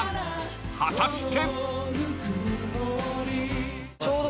［果たして］